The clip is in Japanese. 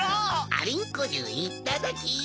アリンコじゅういっただき。